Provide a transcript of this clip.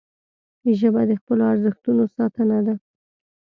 ژبه د خپلو ارزښتونو ساتنه ده